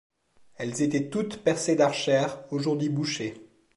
Elles étaient toutes percées d'archères, aujourd'hui bouchées.